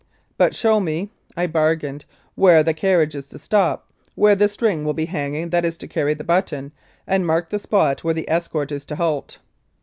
"But show me," I bargained, "where the carriage is to stop, where the string will be hanging that is to carry the button, and mark the spot where the escort is to halt."